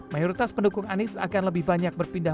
mayoritas pendukung anies akan lebih banyak berpindah